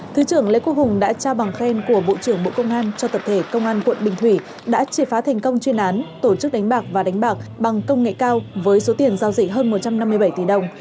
thứ trưởng lê quốc hùng đã trao bằng khen của bộ trưởng bộ công an cho tập thể công an quận bình thủy đã triệt phá thành công chuyên án tổ chức đánh bạc và đánh bạc bằng công nghệ cao với số tiền giao dịch hơn một trăm năm mươi bảy tỷ đồng